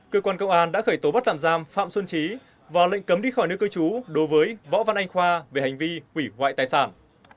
cơ quan công an đã khởi tố bắt tạm giam phạm xuân trí và lệnh cấm đi khỏi nước cơ chú đối với võ văn anh khoa về hành vi quỷ hoại tài sản